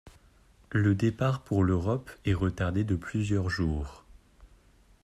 Le départ pour l'Europe est retardé de plusieurs jours.